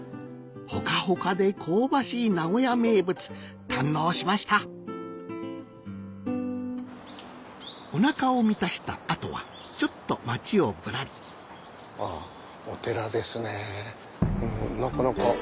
ホカホカで香ばしい名古屋名物堪能しましたおなかを満たした後はちょっと街をぶらりあぁお寺ですねぇなかなか。